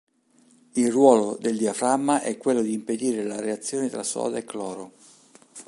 Il ruolo del diaframma è quello di impedire la reazione tra soda e cloro.